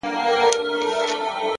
دا کيږي چي زړه له ياده وباسم ـ